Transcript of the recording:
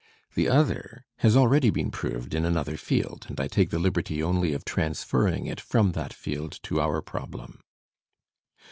The other has already been proved in another field, and I take the liberty only of transferring it from that field to our problem.